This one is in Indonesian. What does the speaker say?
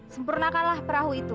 sempurnakanlah perahu itu